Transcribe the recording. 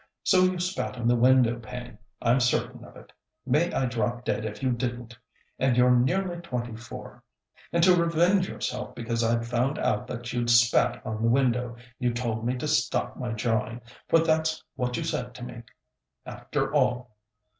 So you spat on the window pane; I'm certain of it. May I drop dead if you didn't. And you're nearly twenty four! And to revenge yourself because I'd found out that you'd spat on the window, you told me to stop my jawing, for that's what you said to me, after all.